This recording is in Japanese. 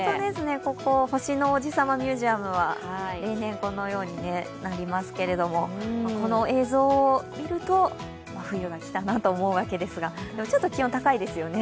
ここ、星の王子さまミュージアムは例年このようになりますがこの映像を見ると、冬がきたなと思うわけですが、ちょっと気温、高いですよね。